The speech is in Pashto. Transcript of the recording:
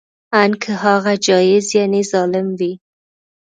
ان که هغه جائر یعنې ظالم وي